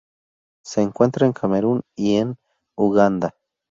Se encuentra en Camerún y en Uganda.